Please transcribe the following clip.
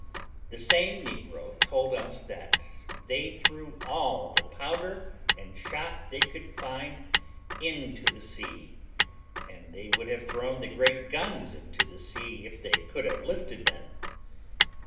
The same negro told us that they threw all the powder and shot they could find into the sea, and they would have thrown the great guns into the sea if they could have lifted them.